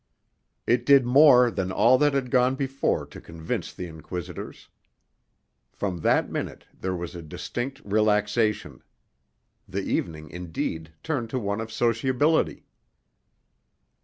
It did more than all that had gone before to convince the inquisitors. From that minute there was a distinct relaxation; the evening, indeed, turned to one of sociability.